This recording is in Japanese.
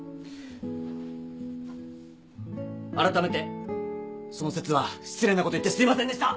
あらためてその節は失礼なこと言ってすいませんでした！